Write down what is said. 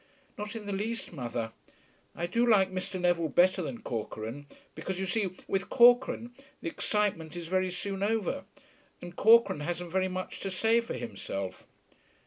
"Not in the least, mother. I do like Mr. Neville better than Corcoran, because you see with Corcoran the excitement is very soon over. And Corcoran hasn't very much to say for himself."